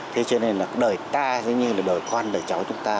thế cho nên là đời ta giống như là đời con đời cháu chúng ta